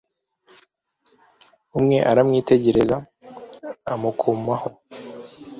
umwe aramwitegereza amukomaho